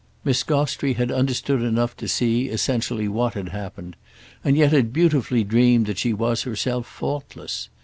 Miss Gostrey had understood enough to see, essentially, what had happened, and yet had beautifully dreamed that she was herself faultless.